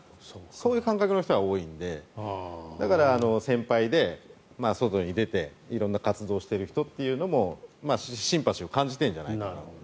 そういう感覚の人が多いのでだから先輩で、外に出て色んな活動をしている人というのもシンパシーを感じているのかなと。